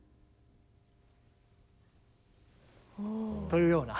というような。